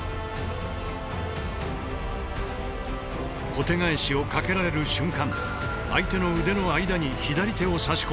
小手返しをかけられる瞬間相手の腕の間に左手を差し込んでいる。